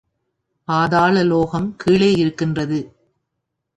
பாதாள லோகம் கீழே இருக்கின்றது.